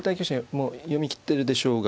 もう読み切ってるでしょうが。